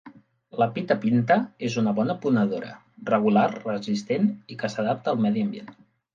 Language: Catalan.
La Pita Pinta és una bona ponedora, regular, resistent i que s'adapta al medi ambient.